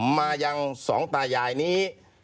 มายังสองตายายนี้